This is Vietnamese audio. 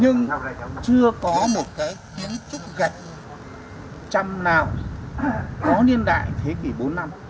nhưng chưa có một kiến trúc gạch châm nào có niên đại thế kỷ bốn năm